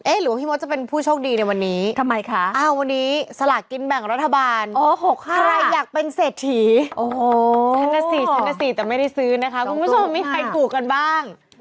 เอ๊ะหรือว่าพี่มดจะเป็นผู้โชคดีในวันนี้อ้าววันนี้สละกินแบ่งรัฐบาลใครอยากเป็นเศรษฐีแสนสีแต่ไม่ได้ซื้อนะคะคุณผู้ชมมีใครสูกกันบ้าง